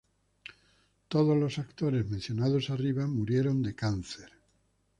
Todos los actores mencionados arriba murieron de cáncer.